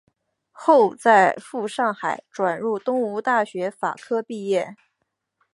后在赴上海转入东吴大学法科毕业。